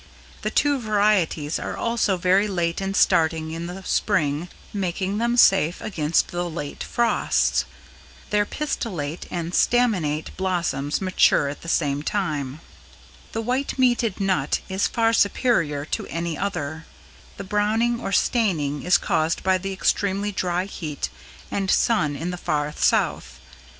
The two varieties are also very late in starting in the Spring making them safe against the late frosts. Their pistillate and staminate blossoms mature at the same time. [Illustration: ENGLISH WALNUTS BEAR IN CLUSTERS OF TWO TO FIVE] The white meated nut is far superior to any other. The browning or staining is caused by the extremely dry heat and sun in the far South.